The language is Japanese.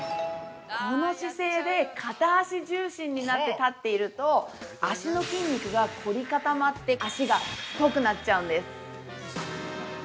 この姿勢で片脚重心になって立っていると、脚の筋肉が凝り固まって脚が太くなっちゃうんです。